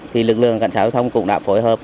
thì lực lượng cảnh sát giao thông cũng đã phối hợp